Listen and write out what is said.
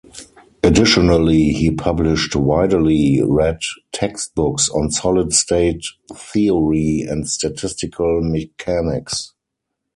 Additionally, he published widely read textbooks on solid-state theory and statistical mechanics.